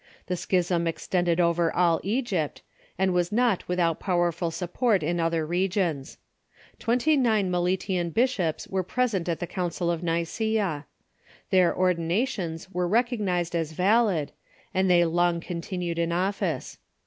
The schism extended over all Egypt, and was not without powerful support in other regions. Twenty nine Meletian bishops were present at the Council of Niccea. Their ordinations were recognized as valid, and they long con tinued in office.